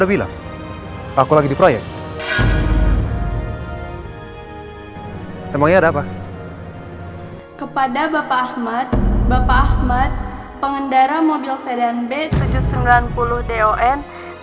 tapi saya yakin dia belum jauh dari sini